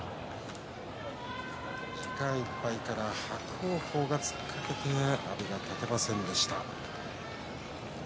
時間いっぱいから伯桜鵬が突っかけて阿炎が立てませんでした。